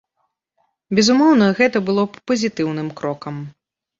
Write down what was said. Безумоўна, гэта было б пазітыўным крокам.